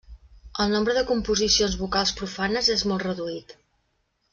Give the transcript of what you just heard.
El nombre de composicions vocals profanes és molt reduït.